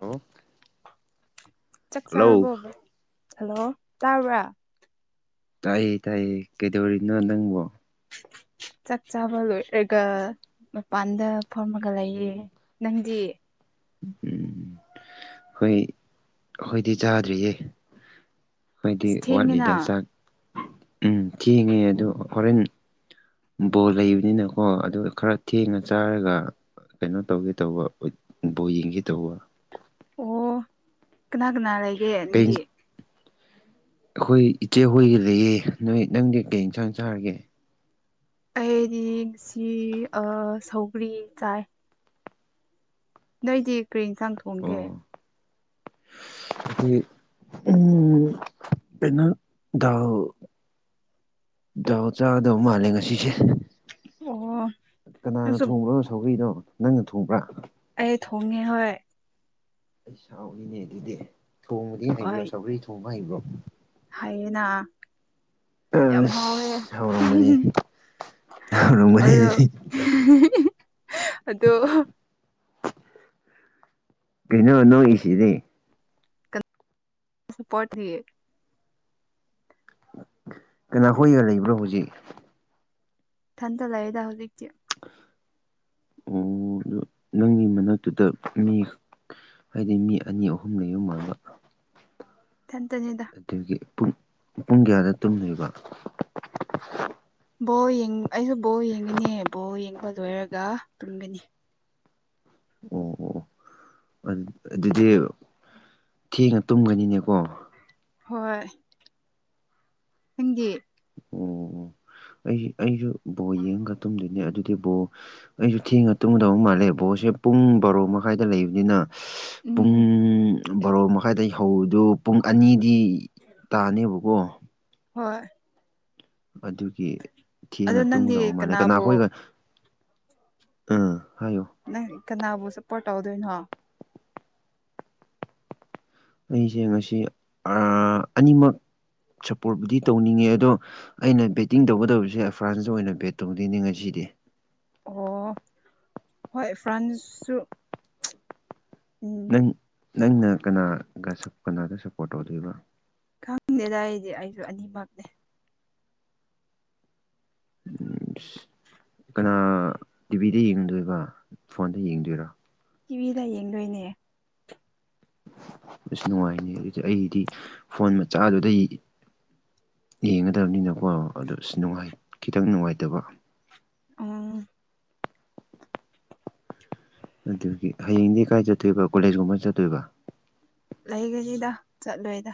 ꯑꯣ ꯆꯥꯛ ꯍꯜꯂꯣ ꯆꯥꯔꯕ꯭ꯔꯣ ꯍꯜꯂꯣ ꯇꯥꯕ꯭ꯔꯥ ꯇꯥꯏꯌꯦ ꯇꯥꯏꯌꯦ ꯀꯩꯗꯧꯔꯤꯕꯅꯣ ꯅꯪꯕꯣ ꯆꯥꯛ ꯆꯥꯕ ꯂꯣꯏꯔꯒ ꯃꯄꯥꯟꯗ ꯐꯝꯃꯒ ꯂꯩꯌꯦ ꯅꯪꯗꯤ ꯎꯝ ꯍꯣꯏ ꯑꯩꯈꯣꯏꯗꯤ ꯆꯥꯗ꯭ꯔꯤꯌꯦ ꯈꯣꯏꯗꯤ ꯑꯁ ꯊꯦꯡꯉꯤꯅ ꯋꯥꯠꯂꯤꯗ ꯆꯥꯛ ꯎꯝ ꯊꯦꯡꯉꯦ ꯑꯗꯨ ꯍꯣꯔꯦꯟ ꯕꯣꯜ ꯂꯩꯕꯅꯤꯅꯀꯣ ꯑꯗꯨꯒ ꯈꯔ ꯊꯦꯡꯅ ꯆꯥꯔꯒ ꯀꯩꯅꯣ ꯇꯧꯒꯦ ꯇꯧꯕ ꯕꯣꯜ ꯌꯦꯡꯒꯦ ꯇꯧꯕ ꯑꯣ ꯀꯅꯥ ꯀꯅꯥ ꯂꯩꯒꯦ ꯀꯩ ꯅꯪꯗꯤ ꯑꯩꯈꯣꯏ ꯏꯆꯦ ꯍꯣꯏꯒꯤ ꯂꯩꯌꯦ ꯅꯣꯏ ꯅꯪꯗꯤ ꯀꯩ ꯏꯟꯁꯥꯡ ꯆꯥꯔꯒꯦ ꯑꯩꯗꯤ ꯉꯁꯤ ꯑꯥ ꯁꯧꯒ꯭ꯔꯤ ꯆꯥꯏ ꯅꯪꯗꯤ ꯀꯔꯤ ꯌꯦꯟꯁꯥꯡ ꯑꯣ ꯊꯣꯡꯒꯦ ꯑꯩꯈꯣꯏ [unintelligible] ꯎꯝ ꯀꯩꯅꯣ ꯗꯥꯎ ꯗꯥꯥꯎ ꯆꯥꯒꯗꯧꯕ ꯃꯥꯜꯂꯦ ꯉꯁꯤꯁꯦ ꯑꯣ ꯀꯅꯥꯅ ꯅꯪꯁꯨ ꯊꯣꯡꯕ꯭ꯔꯣ ꯁꯧꯒꯔꯤꯅꯣ ꯅꯪꯅ ꯊꯣꯡꯕ꯭ꯔꯥ ꯑꯩ ꯊꯣꯡꯉꯦ ꯍꯣꯏ ꯑꯩ ꯍꯥꯎꯅꯤꯅꯦ ꯑꯗꯨꯗꯤ ꯊꯣꯡꯕꯗꯤ ꯍꯣꯏ ꯍꯩꯕ꯭ꯔꯣ ꯁꯧꯒꯔꯤ ꯊꯣꯡꯕ ꯍꯩꯕ꯭ꯔꯣ ꯍꯥꯏꯌꯦꯅ꯫ ꯌꯥꯝ ꯍꯥꯎꯋꯦ ꯑꯁ ꯍꯧꯔꯝꯒꯅꯤ ꯍꯧꯔꯝꯒꯅꯤ ꯑꯗꯣ꯫ ꯑꯗꯨꯗꯤ ꯑꯗꯣ ꯀꯩꯅꯤ ꯅꯣꯛꯏꯁꯤꯗꯤ꯫ ꯁꯄꯣꯔꯠ ꯊꯌꯦ ꯀꯅꯥ ꯍꯣꯢꯒ ꯂꯩꯕ꯭ꯔ ꯍꯧꯖꯤꯛ ꯊꯟꯗꯂꯩꯗ ꯍꯧꯖꯤꯛꯇꯤ ꯑꯣ ꯑꯗꯨ ꯅꯪꯒꯤ ꯃꯅꯥꯛꯇꯨꯗ ꯃꯤ ꯑꯩꯗꯤ ꯃꯤ ꯑꯅꯤ ꯑꯍꯨꯝ ꯂꯩꯕ ꯃꯥꯟꯕ ꯏꯊꯟꯇꯅꯦꯗ ꯑꯗꯨꯒꯤ ꯄꯨꯡ ꯄꯨꯡ ꯀꯌꯥꯗ ꯇꯨꯝꯗꯣꯏꯕ ꯕꯣꯜ ꯌꯦꯡ ꯑꯩꯁꯨ ꯕꯣꯜ ꯌꯦꯡꯒꯅꯤ ꯕꯣꯜ ꯌꯦꯡꯕ ꯂꯣꯏꯔꯒ ꯇꯨꯝꯒꯅꯤ ꯑꯣ ꯑꯣ ꯑꯗꯨꯗꯤ ꯊꯦꯡꯅ ꯇꯨꯝꯒꯅꯤꯅꯦꯀꯣ ꯍꯣꯏ ꯅꯪꯗꯤ ꯑꯣ ꯑꯣ ꯑꯩꯖꯨ ꯑꯩꯖꯨ ꯕꯣꯜ ꯌꯦꯡꯉꯒ ꯇꯨꯝꯗꯣꯏꯅꯦ ꯑꯗꯨꯗꯤ ꯕꯣꯜ ꯑꯩꯁꯨ ꯊꯦꯡꯅ ꯇꯨꯝꯒꯗꯧ ꯃꯥꯜꯂꯦ ꯕꯣꯜꯁꯦ ꯄꯨꯡ ꯕꯥꯔꯣ ꯃꯈꯥꯏꯗ ꯂꯩꯕꯅꯤꯅ ꯄꯨꯡ ꯎꯝ ꯕꯥꯔꯣ ꯃꯈꯥꯏꯗꯒꯤ ꯐꯧꯗꯨꯣ ꯄꯨꯡ ꯑꯅꯤꯗꯤ ꯇꯥꯅꯦꯕꯀꯣ ꯍꯣꯏ꯫ ꯑꯗꯨꯒꯤ ꯑꯗꯣ ꯊꯦꯡꯅ ꯅꯪꯗꯤ ꯇꯨꯡꯒꯗꯧ ꯃꯥꯜꯂꯦ ꯀꯅꯥꯕꯨ ꯀꯅꯥꯈꯣꯏꯒ꯫ ꯑꯝ ꯍꯥꯏꯌꯨ ꯅꯪ ꯀꯅꯥꯕꯨ ꯁꯞꯄꯣꯔꯠ ꯇꯧꯗꯣꯏꯅꯣ꯫ ꯑꯩꯁꯦ ꯉꯁꯤ ꯑꯅꯤꯃꯛ ꯁꯞꯄꯣꯔꯠꯄꯨꯗꯤ ꯇꯧꯅꯤꯡꯉꯦ ꯑꯗꯣ ꯑꯩꯅ ꯕꯦꯠꯇꯤꯡ ꯇꯧꯒꯗꯧꯔꯤꯁꯦ ꯑꯦꯐ꯭ꯔꯥꯟꯁ ꯑꯣꯏꯅ ꯕꯦꯠ ꯇꯧꯗꯅꯤ ꯉꯁꯤꯗꯤ ꯑꯣ ꯍꯣꯢ ꯐ꯭ꯔꯥꯟꯁꯁꯨ ꯎꯝ ꯎꯝ ꯅꯪꯅ ꯀꯅꯥꯒ ꯁꯞ ꯀꯅꯥꯗ ꯁꯞꯄꯣꯔꯠ ꯇꯧꯗꯩꯕ ꯈꯪꯗꯦꯗ ꯑꯩꯗꯤ ꯑꯩꯁꯨ ꯑꯅꯤꯃꯛꯅꯦ ꯎꯝꯁ ꯀꯅꯥ ꯇꯤꯚꯤꯗ ꯌꯦꯡꯗꯣꯏꯕ ꯐꯣꯟꯗ ꯌꯦꯡꯗꯣꯏꯔꯣ꯫ ꯇꯤꯚꯤꯗ ꯌꯦꯡꯗꯣꯏꯅꯦ꯫ ꯑꯁ ꯅꯨꯡꯉꯥꯢꯅꯤꯌꯦ ꯑꯩꯖꯦ ꯑꯩꯗꯤ ꯐꯣꯟ ꯃꯆꯥꯗꯨꯗꯩ ꯌꯦ ꯌꯦꯡꯒꯗꯕꯅꯤꯅꯀꯣ ꯑꯗ ꯅꯨꯉꯥꯏ ꯈꯤꯇꯪ ꯅꯨꯡꯉꯥꯏꯇꯕ ꯑꯥ꯫ ꯑꯗꯨꯒꯤ ꯍꯌꯦꯡꯗꯤ ꯀꯥꯏ ꯆꯠꯇꯣꯏꯕ ꯀꯣꯂꯦꯖꯀꯨꯝꯕ ꯆꯠꯇꯣꯏꯕ꯫ ꯂꯩꯒꯅꯤꯗ ꯆꯠꯂꯣꯏꯗ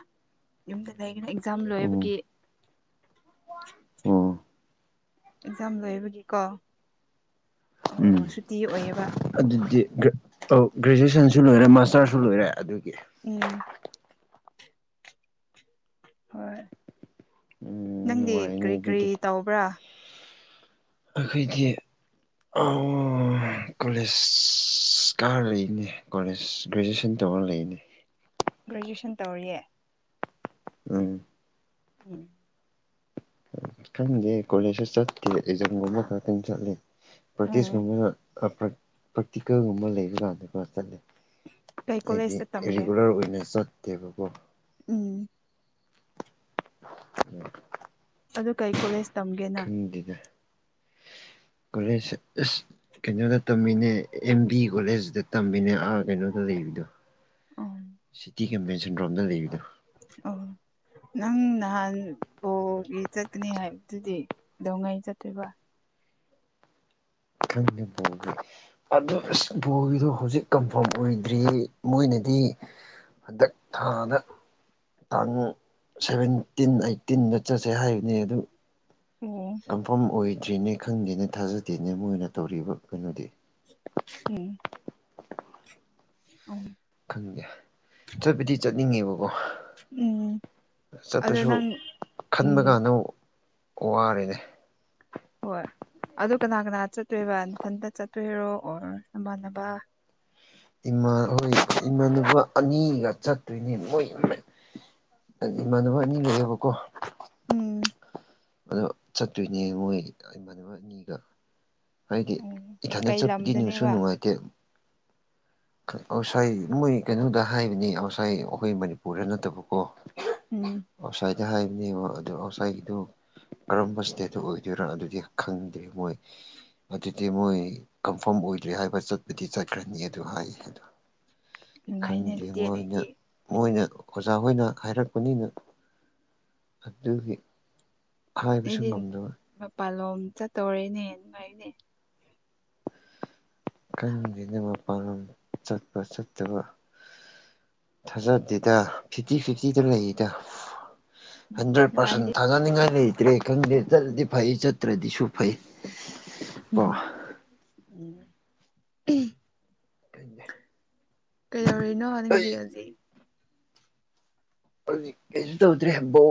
ꯌꯨꯝꯗ ꯂꯩꯒꯅ ꯑꯦꯛꯖꯥꯝ ꯑꯣ ꯂꯣꯏꯕꯒꯤ ꯑꯣ ꯑꯦꯛꯖꯥꯝ ꯂꯣꯏꯕꯒꯤꯀꯣ꯫ ꯑꯣ ꯎꯝ ꯑꯣ ꯁꯨꯇꯤ ꯑꯣꯏꯌꯦꯕ ꯑꯗꯨꯗꯤ ꯒ꯭ꯔꯦꯖꯨꯑꯦꯁꯟꯁꯨ ꯂꯣꯏꯔꯦ ꯃꯥꯁꯇꯔꯁꯨ ꯂꯣꯏꯔꯦ ꯑꯗꯨꯒꯤ꯫ ꯎꯝ ꯍꯣꯏ ꯎꯝ ꯅꯪꯗꯤ ꯅꯨꯡꯉꯥꯏꯅꯤ ꯀꯔꯤ ꯀꯔꯤ ꯑꯗꯨꯗꯤ ꯇꯧꯕ꯭ꯔꯥ ꯑꯩꯈꯣꯏꯗꯤ꯫ ꯀꯂꯦꯖ ꯑ ꯀꯥꯔ ꯂꯩꯅꯦ ꯀꯣꯂꯦꯖ ꯒ꯭ꯔꯦꯖꯨꯑꯦꯁꯟ ꯇꯧꯔ ꯂꯩꯅꯦ ꯒ꯭ꯔꯦꯖꯨꯦꯁꯟ ꯇꯧꯔꯤꯌꯦ ꯎꯝ ꯎꯝ ꯈꯪꯗꯦ ꯀꯣꯂꯦꯖꯇ ꯆꯠꯀ ꯑꯦꯛꯖꯥꯝꯒꯨꯝꯕ ꯈꯛꯇꯪ ꯆꯠꯂꯤ ꯄ꯭ꯔꯥꯛꯇꯤꯁꯀꯨꯝꯕꯅ ꯄ꯭ꯔꯦꯛꯇꯤꯀꯦꯜꯒꯨꯝꯕ ꯂꯩꯔꯀꯥꯟꯗ ꯈꯔ ꯆꯠꯂꯦ ꯀꯩ ꯍꯥꯏꯗꯤ ꯀꯣꯂꯦꯖꯇ ꯇꯝꯒꯦ ꯔꯤꯒꯨꯂꯔ ꯑꯣꯏꯅ ꯆꯠꯇꯦꯕꯀꯣ ꯎꯝ ꯎꯝ [unintelligible] ꯑꯗꯨ ꯀꯩ ꯀꯣꯂꯦꯁ ꯇꯝꯒꯦꯅꯪ ꯈꯪꯗꯤꯗ ꯀꯣꯂꯦꯁ ꯑꯁ ꯀꯩꯅꯣꯗ ꯇꯝꯃꯤꯅꯦ ꯑꯦꯝ ꯕꯤ ꯀꯣꯂꯦꯁꯗ ꯇꯝꯃꯤꯅꯦ ꯑꯥ ꯀꯩꯅꯣꯗ ꯂꯩꯕꯗꯣ ꯑꯣ ꯁꯤꯇꯤ ꯀꯟꯚꯦꯟꯁꯟ ꯔꯣꯝꯗ ꯂꯩꯕꯗꯣ ꯑꯧ ꯅꯪ ꯅꯍꯥꯟ ꯕꯣꯒꯤ ꯆꯠꯀꯅꯤ ꯍꯥꯏꯕꯗꯨꯗꯤ ꯀꯩꯗꯧꯉꯩ ꯆꯠꯇꯣꯏꯕ ꯈꯪꯅꯕꯣꯒꯤ ꯑꯗꯨ ꯑꯁ ꯕꯣꯜꯒꯤꯗꯣ ꯍꯧꯖꯤꯛ ꯀꯟꯐꯥꯝ ꯑꯣꯢꯗ꯭ꯔꯤ ꯃꯣꯢꯅꯗꯤ ꯍꯟꯗꯛ ꯊꯥꯗ ꯇꯥꯡ ꯁꯚꯦꯟꯇꯤꯟ ꯑꯩꯠꯇꯤꯟꯗ ꯆꯠꯁꯦ ꯍꯥꯏꯕꯅꯤ ꯑꯗꯨ ꯎꯝ ꯃꯐꯝ ꯑꯣꯏꯗ꯭ꯔꯤꯅꯦ ꯈꯪꯗꯦꯅꯦ ꯊꯥꯖꯗꯦꯅꯦ ꯃꯣꯏꯅ ꯇꯧꯔꯤꯕ ꯀꯩꯅꯣꯗꯤ ꯎꯝ ꯑ ꯈꯪꯗꯦ ꯆꯠꯄꯗꯤ ꯆꯠꯅꯤꯡꯉꯦꯕꯀꯣ ꯎꯝ ꯑꯗꯣ ꯆꯄꯁꯨ ꯅꯪ ꯈꯟꯕ ꯎꯝ ꯀꯥꯟꯗ ꯋꯥꯔꯦꯅꯦ ꯍꯣꯏ ꯑꯗꯨ ꯀꯅꯥ ꯀꯅꯥ ꯆꯠꯇꯣꯏꯕ ꯏꯊꯟꯇ ꯆꯠꯇꯣꯏꯔꯣ ꯑꯣꯔ ꯁꯃꯥꯟꯅꯕ ꯏꯃꯥ ꯍꯣꯏ ꯏꯃꯥꯟꯅꯕꯥ ꯑꯅꯤꯒ ꯆꯠꯇꯣꯏꯅꯦ ꯃꯣꯏ ꯍꯥꯏꯗꯤ ꯏꯃꯥꯟꯅꯕ ꯑꯅꯤ ꯂꯩꯌꯦꯕꯀꯣ ꯎꯝ ꯑꯗꯣ ꯆꯠꯇꯣꯏꯅꯦ ꯃꯣꯏ ꯏꯃꯥꯟꯅꯕ ꯑꯅꯤꯒ ꯍꯥꯏꯗꯤ ꯎꯝ ꯏꯊꯟꯗ ꯀꯩ ꯆꯠꯄꯗꯤ ꯅꯨꯡꯁꯨ ꯂꯝꯗꯅꯦꯕ ꯅꯨꯡꯉꯥꯏꯇꯦ ꯑꯥꯎꯠꯁꯥꯏ ꯃꯣꯏ ꯀꯩꯅꯣꯗ ꯍꯥꯏꯕꯅꯤ ꯑꯥꯎꯠꯁꯥꯏ ꯑꯩꯈꯣꯏ ꯃꯅꯤꯄꯨꯔꯗ ꯅꯠꯇꯕꯀꯣ ꯎꯝ ꯑꯥꯎꯠꯁꯥꯏꯗꯇ ꯍꯥꯏꯕꯅꯦꯕ ꯑꯗꯨ ꯑꯥꯎꯠꯁꯥꯏꯠꯀꯤꯗꯨ ꯀꯔꯝꯕ ꯏꯁꯇꯦꯠꯇ ꯑꯣꯏꯗꯣꯏꯔ ꯑꯗꯨꯗꯤ ꯈꯪꯗ꯭ꯔꯤ ꯃꯣꯏ ꯑꯗꯨꯗꯤ ꯃꯣꯏ ꯀꯟꯐꯥꯔꯝ ꯑꯣꯏꯗ꯭ꯔꯦ ꯍꯥꯏꯕ ꯆꯠꯄꯗꯤ ꯆꯠꯈ꯭ꯔꯅꯤ ꯑꯗꯨ ꯍꯥꯏ ꯑꯗꯨ ꯅꯨꯡꯉꯥꯏꯅꯦ ꯈꯪꯗꯦ ꯑꯗꯨꯗꯤ ꯃꯣꯏꯅ ꯅꯣꯏꯗꯤ ꯃꯣꯏꯅ ꯑꯣꯖꯥ ꯍꯣꯏꯅ ꯍꯥꯏꯔꯛꯄꯅꯤꯅ ꯑꯗꯨꯒꯤ ꯍꯥꯏꯕꯁꯨ ꯅꯣꯏꯗꯤ ꯉꯝꯗꯕ ꯃꯄꯥꯟꯂꯣꯝ ꯆꯠꯇꯧꯔꯦꯅꯦ ꯅꯨꯉꯥꯏꯅꯦ ꯈꯪꯗꯦꯅꯦ ꯃꯄꯥꯟ ꯂꯝ ꯆꯠꯄ ꯆꯠꯇꯕ ꯊꯥꯖꯗꯦꯗ ꯐꯤꯐꯇꯤ ꯐꯤꯐꯇꯤꯗ ꯂꯩꯔꯤꯗ ꯎꯝ ꯍꯟꯗ꯭ꯔꯦꯠ ꯄꯥꯔꯁꯦꯟ ꯅꯨꯡꯉꯥꯏꯅꯤ ꯊꯥꯒꯠꯅꯤꯡꯉꯥꯏ ꯂꯩꯇ꯭ꯔꯦ ꯈꯪꯗꯦ ꯆꯠꯂꯗꯤ ꯐꯩ ꯆꯠꯇ꯭ꯔꯗꯤꯁꯨ ꯐꯩ ꯍꯨꯝ ꯀꯣ ꯍꯨꯝ ꯎꯝ ꯈꯪꯗꯦ ꯀꯩꯗꯧꯔꯤ ꯅꫭ ꯑꯩ ꯅꯪꯗꯤ ꯍꯧꯖꯤꯛ ꯍꯧꯖꯤꯛ ꯀꯩꯁꯨ ꯇꯧꯗ꯭ꯔꯦ ꯕꯣ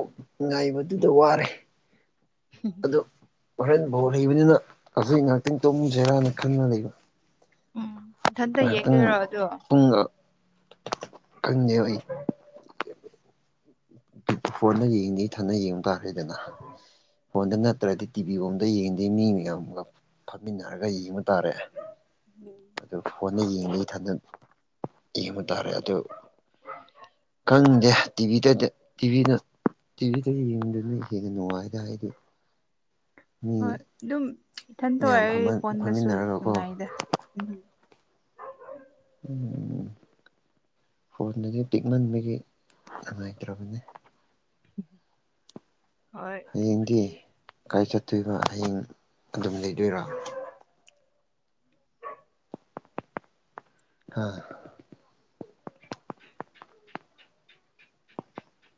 ꯉꯥꯏꯕꯗꯨꯗ ꯋꯥꯔꯦ ꯍꯨꯝ ꯑꯗꯨ ꯍꯣꯔꯦꯟ ꯕꫭ ꯂꯩꯕꯅꯤꯅ ꯍꯧꯖꯤꯛ ꯉꯥꯛꯇꯪ ꯇꯣꯝꯨꯖꯤꯔꯥꯅ ꯈꯪꯟꯅ ꯂꯩꯕ ꯎꯝ ꯏꯊꯟꯇ ꯉꯥꯏꯍꯥꯛꯇꯪ ꯌꯦꯡꯗꯣꯏꯔꯣ ꯑꯗꯣ ꯄꯨꯡ ꯈꯪꯗꯦꯕꯑꯩ ꯐꯣꯟꯗ ꯌꯦꯡꯗ ꯏ ꯊꯟ ꯌꯦꯡꯕ ꯇꯥꯔꯦꯗꯅ ꯐꯣꯟꯗ ꯅꯠꯇ꯭ꯔꯗꯤ ꯇꯤꯚ ꯕꯤꯔꯣꯝꯗ ꯌꯦꯡꯗꯦ ꯃꯤ ꯃꯌꯥꯝꯒ ꯐꯝꯃꯤꯟꯅꯔꯒ ꯌꯦꯡꯕ ꯇꯥꯔꯦ ꯑꯗꯨ ꯐꯣꯟꯗ ꯌꯦꯡꯕꯩꯊꯟꯗ ꯌꯦꯡꯕ ꯇꯥꯔꯦ ꯑꯗꯨ ꯀꯪꯗꯦ ꯇꯤꯚꯤꯗꯗꯤ ꯇꯤꯚꯤꯅ ꯇꯤꯚꯤꯗ ꯌꯦꯡꯕꯗꯅ ꯍꯦꯟꯅ ꯅꯨꯡꯉꯥꯏꯗ ꯑꯩꯗꯤ ꯍꯣꯏ ꯑꯗꯨꯝ ꯏꯊꯟ ꯃꯌꯥꯝ ꯊꯣꯛꯑꯦ ꯐꯣꯟꯗꯁꯨ ꯐꯝꯃꯤꯟꯅꯔꯒꯀꯣ ꯅꯨꯡꯉꯥꯏꯗ ꯎꯝ ꯎꯝ ꯐꯣꯟꯗꯗꯤ ꯄꯤꯛꯃꯟꯕꯒꯤ ꯅꯨꯡꯉꯥꯏꯇ꯭ꯔꯕꯅꯦ ꯎ [unintelligible] ꯍꯌꯦꯡꯗꯤ ꯀꯥꯏ ꯆꯠꯇꯣꯏꯕ ꯍꯌꯦꯡ ꯑꯗꯨꯝ ꯂꯩꯗꯣꯏꯔꯥ ꯑꯥ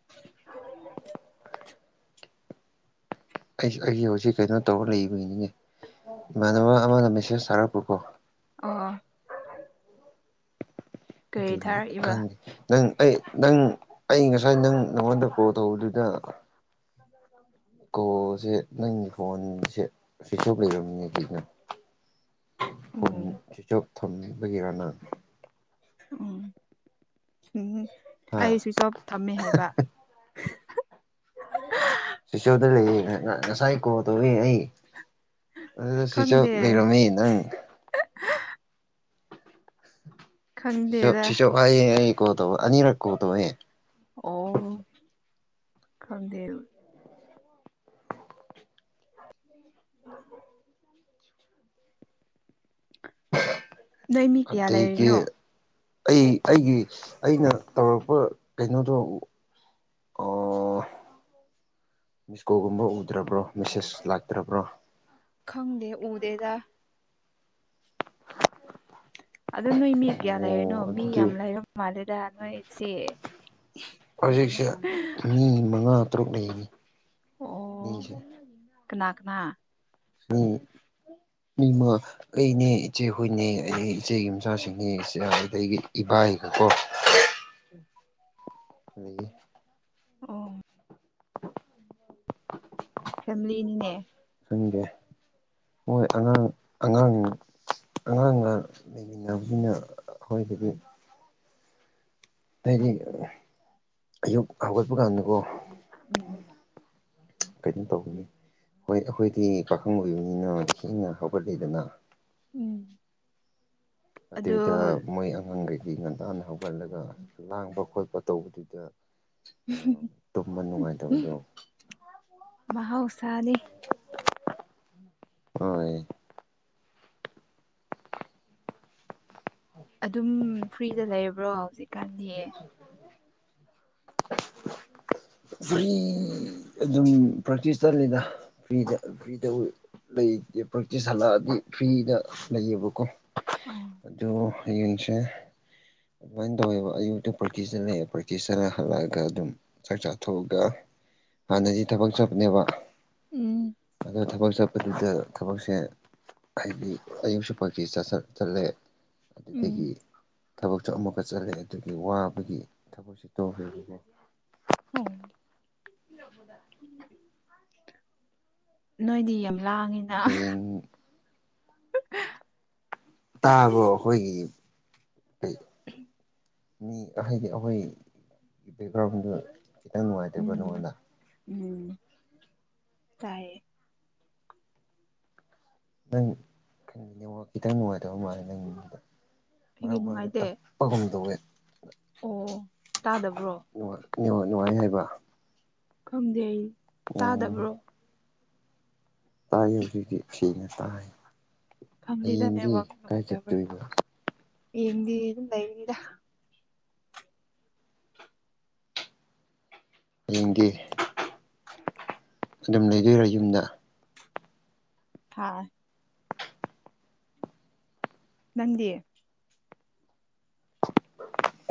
[unintelligible] ꯑꯩ ꯑꯩꯁ ꯍꯧꯖꯤꯛ ꯀꯩꯅꯣ ꯇꯧꯔꯒ ꯂꯩꯕꯒꯤꯅꯤꯅꯦ ꯏꯃꯥꯟꯅꯕ ꯑꯃꯅ ꯃꯦꯁꯦꯁ ꯊꯥꯔꯛꯄꯀꯣ ꯑꯣ ꯀꯔꯤ ꯑꯗꯨꯒꯤ ꯊꯥꯔꯛꯏꯕ ꯈꯪꯉꯦ ꯅꯪ ꯑꯩ ꯅꯪ ꯑꯩ ꯉꯁꯥꯏ ꯅꯪ ꯅꯪꯉꯣꯟꯗ ꯀꯣꯜ ꯇꯧꯕꯗꯨꯗ ꯀꯣꯁꯦ ꯅꯪꯒꯤ ꯐꯣꯟꯁꯦ ꯁ꯭ꯋꯤꯆ ꯑꯞ ꯂꯩꯔꯝꯅꯦ ꯀꯅ ꯐ ꯎꯝ ꯆꯤꯆꯞ ꯊꯝꯕꯒꯦꯔꯅ ꯎꯝ ꯎꯝ ꯍꯥ ꯑꯩ ꯁꯋꯁꯣꯞ ꯊꯝꯃꯦ ꯍꯥꯏꯕ ꯁꯤꯁꯣꯞꯇ ꯂꯩꯌꯦ ꯉꯥ ꯉꯁꯥꯏ ꯀꯣꯜ ꯇꯧꯋꯦ ꯑꯩ ꯑꯗꯨꯗ ꯁꯨꯏꯁꫭꯞ ꯈꯪꯗꯦ ꯂꯩꯔꯝꯃꯦ ꯅꯪ ꯁꯨꯏꯁꫭꯞ ꯈꯪꯗꯦꯗ ꯁꯤꯁꫭꯞ ꯍꯥꯏꯌꯦ ꯑꯩ ꯀꯣꯜ ꯇꯧꯕ ꯑꯅꯤꯔꯛ ꯀꯣꯜ ꯇꯧꯋꯦ ꯑꯣ ꯈꯪꯗꯦ [unintelligible] ꯅꯣꯏ ꯃꯤ ꯀꯌꯥ ꯑꯗꯒꯤ ꯂꯩꯔꯤꯅꯣ ꯑꯩ ꯑꯩꯒꯤ ꯑꯩꯅ ꯇꯧꯔꯛꯄ ꯀꯩꯅꯣꯗꯣ ꯃꯤꯁꯀꯣꯒꯨꯝꯕ ꯎꯗ꯭ꯔꯕ꯭ꯔꯣ ꯃꯦꯁꯦꯖ ꯂꯥꯛꯇ꯭ꯔꯕ꯭ꯔꯣ ꯈꯪꯗꯦ ꯎꯗꯗ ꯑꯗ ꯅꯣꯏ ꯃꯤ ꯀꯌꯥ ꯂꯩꯔꯤꯅꯣ ꯑꯣ ꯃꯤ ꯑꯗꯨꯗꯤ ꯌꯥꯝ ꯂꯩꯔꯕ ꯃꯥꯜꯂꯦꯗ ꯅꯣꯏꯁꯦ ꯍꯧꯖꯤꯛꯁꯦ ꯃꯤ ꯃꯉꯥ ꯇꯔꯨꯛ ꯂꯩꯔꯤꯅꯤ ꯑꯣ ꯃꯤꯁꯦ ꯀꯅꯥ ꯀꯅꯥ ꯎꯝꯃ ꯑꯩꯅꯦ ꯏꯆꯦ ꯍꯨꯏꯅꯦ ꯑꯩ ꯏꯆꯦꯒꯤ ꯃꯆꯥꯁꯤꯡꯅꯦ ꯑꯩꯒꯤ ꯏꯕꯥꯏꯒꯀꯣ ꯑꯗꯒꯤ ꯑꯣ ꯐꯦꯃꯤꯂꯤꯅꯤꯅꯦ ꯆꯪꯗꯦ ꯃꯣꯏ ꯑꯉꯥꯡ ꯑꯉꯥꯡ ꯑꯉꯥꯡꯅ ꯑꯩꯒꯤ ꯉꯕꯤꯅ ꯑꯩꯈꯣꯏꯒꯤꯗꯤ ꯐꯩꯗꯤ ꯎꯝ ꯌꯨ ꯍꯥꯒꯜ ꯄꯨꯀꯥꯟꯗꯨ ꯀꯧꯕꯣ ꯎꯝ ꯀꯩꯅꯣ ꯇꯧꯕꯒꯅꯤ ꯍꯣꯏ ꯑꯩꯈꯣꯏꯗꯤ ꯄꯥꯈꯪ ꯑꯣꯏꯕ ꯃꯤꯅ ꯊꯤꯅ ꯍꯧꯒꯠꯂꯗꯅ ꯎꯝ ꯑꯗꯣ ꯑꯗꯨꯗ ꯃꯣꯏ ꯑꯉꯥꯡꯈꯩꯒꯤ ꯉꯟꯗꯥꯟꯅ ꯍꯧꯒꯠꯂꯒ ꯂꯥꯡꯕ ꯈꯣꯠꯄ ꯇꯧꯕꯗꯨꯗ ꯑ ꯇꯨꯝꯕ ꯅꯨꯡꯉꯥꯏꯇꯕꯗꯣ ꯥꯎꯁꯅꯤ ꯍ ꯑꯗꯨꯝ ꯐ꯭ꯔꯤꯗ ꯂꯩꯔꯕ꯭ꯔꯣ ꯍꯧꯖꯤꯛ [unintelligible] [unintelligible] ꯐ꯭ꯔꯤ ꯑꯗꯨꯝ ꯄ꯭ꯔꯦꯛꯇꯤꯁ ꯆꯠꯂꯤꯗ ꯐꯔꯤꯗ ꯐ꯭ꯔꯤꯗ ꯂꯩꯇꯦ ꯄ꯭ꯔꯦꯛꯇꯤꯁ ꯍꯜꯂꯛꯑꯗꯤ ꯐ꯭ꯔꯤꯗ ꯂꯩꯌꯦꯕꯀꯣ ꯑ ꯑꯗꯨ ꯌꯦꯌꯡꯁꯦ ꯑꯗꯨꯃꯥꯏꯅ ꯇꯧꯋꯦꯕ ꯑꯌꯨꯛꯇ ꯄ꯭ꯔꯀꯤꯤꯁꯇ ꯂꯩꯑꯦ ꯄ꯭ꯔꯦꯀꯤꯁꯇꯠ ꯍꯜꯂꯛꯑꯒ ꯑꯗꯨꯝ ꯆꯥꯛ ꯆꯥꯊꯣꯛꯑꯒ ꯍꯥꯟꯅꯗꯤ ꯊꯕꯛ ꯆꯠꯕꯅꯦꯕ ꯎꯝ ꯑꯗꯣ ꯊꯕꯛ ꯆꯠꯄꯗꯨꯗ ꯊꯕꯛꯁꯦ ꯍꯥꯏꯗꯤ ꯑꯌꯨꯛ ꯁꯨꯞꯄꯁꯤꯤꯠ ꯆꯠꯂꯦ ꯑꯗꯨꯗꯒꯤ ꯎꯝ ꯊꯕꯛꯁꯨ ꯑꯃꯨꯛꯀ ꯆꯠꯂꯦ ꯑꯗꯨꯒꯤ ꯋꯥꯕꯒꯤ ꯊꯕꯛꯁꯨ ꯇꯧꯈ꯭ꯔꯦꯦ ꯎꯝ ꯎ ꯅꯣꯏꯗꯤ ꯌꯥꯝ ꯂꯥꯡꯉꯤꯅ ꯍꯌꯦꯡ ꯇꯥꯕ꯭ꯔꯣ ꯑꯩꯈꯣꯏꯒꯤ ꯎꯝ ꯃꯤ ꯍꯥꯏꯗꯤ ꯑꯩꯈꯣꯏ ꯕꯦꯛꯒ꯭ꯔꯥꯎꯟꯗꯨ ꯈꯤꯇꯪ ꯅꯨꯡꯉꯥꯏꯇꯕ꯭ꯔ ꯎꯝ ꯅꯉꯣꯟꯗ ꯎꯝ ꯇꯥꯏ ꯅꯪ ꯈꯪꯅꯤꯡꯅꯦ ꯈꯤꯇꯪ ꯅꯨꯡꯉꯥꯏꯇꯕ ꯃꯥꯜꯂꯦ ꯅꯪꯒꯤ ꯃꯤꯗ ꯑꯩꯒꯤ ꯃꯔꯛ ꯃꯔꯛꯇ ꯅꯨꯡꯉꯥꯏꯇꯦ ꯂꯄꯒꯨꯝꯗꯋꯦ ꯑꯣ ꯇꯥꯗꯕ꯭ꯔꯣ ꯅꯨꯡꯉꯥꯏ ꯍꯥꯏꯕ ꯈꯪꯗꯦ ꯑꯩ ꯑꯣ ꯇꯥꯗꯕ꯭ꯔꯣ ꯇꯥꯏ ꯍꯧꯖꯤꯛꯇꯤ ꯐꯅ ꯇꯥꯏ ꯈꯝꯗꯦꯗꯅꯦ ꯍꯌꯦꯡꯗꯤ ꯋꯥꯥꯛ ꯀꯥꯏ ꯅꯨꯡꯉꯥꯏꯇꯕ꯭ꯔꯥ ꯆꯠꯇꯣꯏꯕ ꯌꯦꯡꯗꯤ ꯑꯗꯨꯝ ꯂꯩꯔꯤꯗ ꯍꯌꯦꯡꯗꯤ ꯑꯗꯨꯝ ꯂꯩꯗꯣꯏꯔꯥ ꯌꯨꯝꯗ ꯍꯥꯥ ꯅꯪꯗꯤ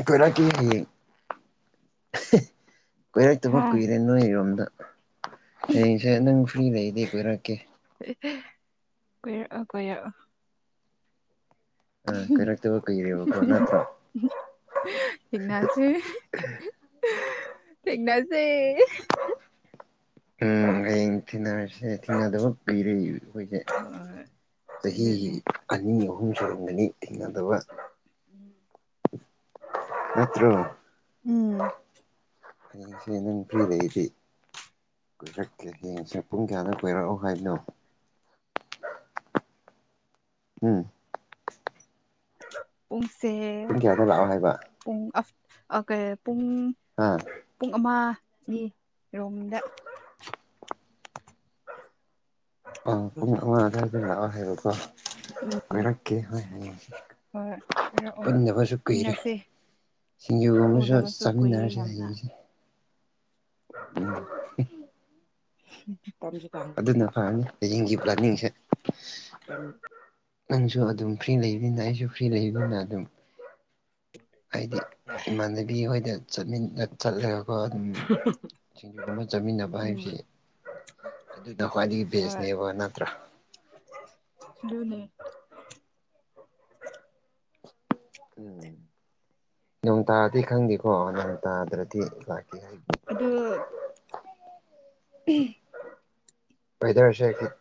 ꯀꯣꯏꯔꯛꯀꯦ ꯍꯌꯦꯡ ꯀꯣꯏꯔꯛ ꯇꯕ ꯍꯥ ꯀꯨꯏꯔꯦ ꯅꯣꯏꯔꯣꯝꯗ ꯍꯌꯦꯡꯁꯦ ꯅꯪ ꯐ꯭ꯔꯤꯗ ꯂꯩꯔꯗꯤ ꯀꯣꯏꯔꯛꯀꯦ ꯀꫭꯏꯔꯛꯑ‌ꫭ ꯀꫭꯏꯔꯛꯑ‌ꫭ ꯑꯥ ꯀꯣꯏꯔꯛꯇꯕ ꯀꯨꯏꯔꯦꯕꯀꯣ ꯅꯠꯇ꯭ꯔꯣ ꯊꯦꯡꯅꯁꯦ ꯊꯦꯡꯅꯁꯦ ꯎꯝ ꯍꯌꯦꯡ ꯊꯦꯡꯅꯔꯁꯦ ꯊꯦꯡꯅꯗꯕ ꯀꯨꯏꯔ‌ꯦ ꯑꯩꯈꯣꯏꯁꯦ ꯍꯣꯏ ꯆꯍꯤ ꯑꯗꯨꯅꯦ ꯑꯅꯤ ꯑꯍꯨꯝ ꯁꯨꯔꯝꯒꯅꯤ ꯍꯩꯅꯗꯕ ꯅꯠꯇ꯭ꯔꯣ ꯎꯝ ꯍꯌꯦꯡꯁꯦ ꯅꯪ ꯐ꯭ꯔꯤ ꯂꯩꯔꯗꯤ ꯀꯣꯏꯔꯛꯀꯦ ꯍꯌꯦꯡꯁꯦ ꯄꯨꯡ ꯀꯌꯥꯅ ꯀꯣꯏꯔꯛꯑꯣ ꯍꯥꯏꯅꯣ ꯎꯝ ꯄꯨꯡꯁꯦ ꯄꯨꯡ ꯀꯌꯥꯗ ꯂꯥꯛꯑꯣ ꯍꯥꯏꯕ ꯄꯨꯡ ꯑꯐ ꯀꯩ ꯄꯨꯡ ꯑꯥ ꯄꯨꯡ ꯑꯃꯒꯤ ꯔꯣꯝꯗ ꯑ ꯄꯨꯡ ꯑꯃ ꯑꯗꯨꯋꯥꯏꯗ ꯂꯥꯛꯑꯣ ꯍꯥꯏꯕꯀꯣ ꯎꯝ ꯀꯣꯏꯔꯛꯀꯦ ꯍꯣꯏ ꯍꯥꯌꯦꯡ ꯁꯦ ꯍꯣꯏ ꯍꯥꯏꯔꯛꯑꯣ ꯄꯨꯟꯗꯕꯁꯨ ꯀꯨꯏꯔꯦ ꯊꯦꯡꯅꯁꯦ ꯁꯤꯡꯖꯨꯒꯨꯝꯕꯁꯨ ꯎꯗꯕꯁꯨ ꯀꯨꯏꯔꯦ ꯆꯥꯃꯤꯟꯅꯔꯁꯤ ꯌꯥꯝꯅ ꯍꯥꯌꯦꯡꯁꯦ ꯎꯝ ꯎ ꯑꯗꯨꯅ ꯐꯔꯅꯤ ꯍꯌꯦꯡꯒꯤ ꯄ꯭ꯂꯥꯅꯤꯡꯁꯦ ꯀ ꯅꯪꯁꯨ ꯑꯗꯨꯝ ꯐ꯭ꯔꯤ ꯂꯩꯕꯅꯤꯅ ꯑꯩꯁꯨ ꯐ꯭ꯔꯤ ꯂꯩꯕꯅꯤꯅ ꯑꯗꯨꯝ ꯑꯩꯗꯤ ꯏꯃꯥꯟꯅꯕꯤ ꯈꯣꯏꯗ ꯆꯠꯃꯤꯟꯅ ꯆꯠꯂꯒꯀꯣ ꯑꯗꯨꯝ ꯁꯤꯡꯖꯨꯒꯨꯝ ꯑꯃ ꯆꯥꯃꯤꯟꯅꯕ ꯎꯝ ꯍꯥꯏꯕꯁꯤꯦ ꯑꯗꯨꯅ ꯈ꯭ꯋꯥꯏꯗꯒꯤ ꯚꯦꯖꯅꯦꯕ ꯅꯠꯇ꯭ꯔꯥ ꯗꯨꯅ‌ꯦ ꯎꯝ ꯅꯣꯡ ꯇꯥꯔꯗꯤ ꯈꯪꯗꯦꯀꯣ ꯅꯣꯡ ꯇꯥꯗ꯭ꯔꯗꯤ ꯂꯥꯛꯀꯦ ꯍꯥꯏ ꯑꯗꯨ ꯎꯝ ꯄꯩꯗꯔꯁꯦ